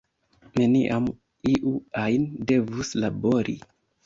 Neniam iu ajn devus labori.